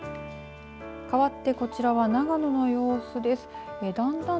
かわってこちらは長野の様子です。